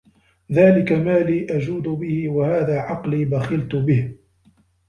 ذَلِكَ مَالِي أَجْوَدُ بِهِ وَهَذَا عَقْلِي بَخِلْت بِهِ